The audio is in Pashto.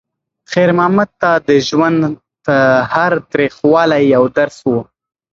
خیر محمد ته د ژوند هر تریخوالی یو درس و.